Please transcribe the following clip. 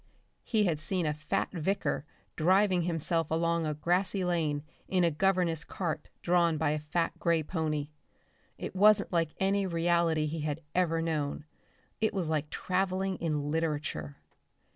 He had seen a fat vicar driving himself along a grassy lane in a governess cart drawn by a fat grey pony. It wasn't like any reality he had ever known. It was like travelling in literature.